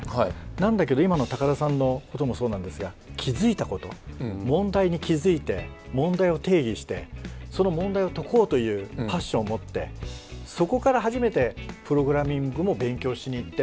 なんだけど今の高田さんのこともそうなんですが気付いたこと問題に気付いて問題を定義してその問題を解こうというパッションを持ってそこから初めてプログラミングも勉強しに行って。